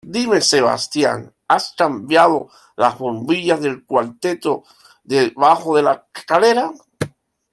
Dime, Sebastián, ¿has cambiado las bombillas del cuarteto de debajo de la escalera?